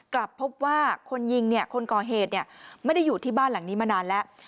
กลับพบว่าคนยิงเนี่ยคนก่อเหตุไม่ได้อยู่ที่บ้านหลังนี้มานานแล้ว